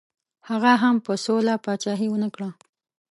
هغه هم په سوله پاچهي ونه کړه.